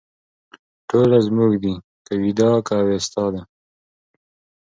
ټوله زموږ دي که ویدا که اوستا ده